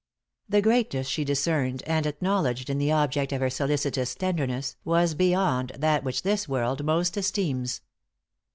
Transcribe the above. The greatness she discerned and acknowledged in the object of her solicitous tenderness was beyond that which this world most esteems.